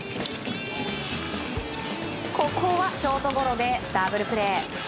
ここはショートゴロでダブルプレー。